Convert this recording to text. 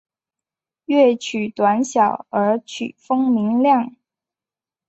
乐曲短小而曲风明亮。